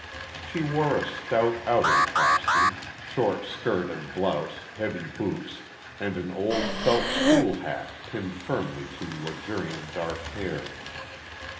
She wore a stout outing costume short skirt and blouse, heavy boots, and an old felt school hat pinned firmly to luxuriant dark hair.